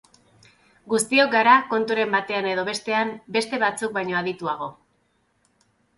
Guztiok gara konturen batean edo bestean beste batzuk baino adituago.